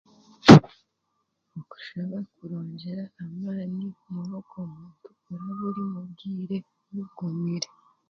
Okushaba kurongyera amaani omuri ogwo muntu orikuraba omu bwire bugumire